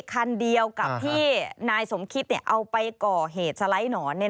คันเดียวกับที่นายสมคิตเอาไปก่อเหตุสไลด์หนอน